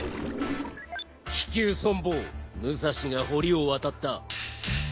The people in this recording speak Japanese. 危急存亡武蔵が堀を渡った。